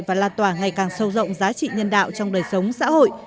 và là tòa ngày càng sâu rộng giá trị nhân đạo trong đời sống xã hội